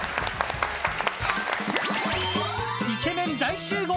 イケメン大集合！